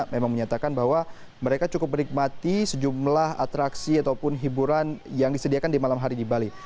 memang menyatakan bahwa mereka cukup menikmati sejumlah atraksi ataupun hiburan yang disediakan di malam hari di bali